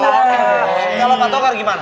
kalau pak tokar gimana